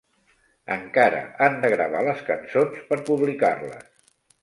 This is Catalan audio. Encara han de gravar les cançons per publicar-les.